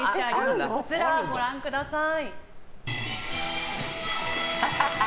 こちらをご覧ください。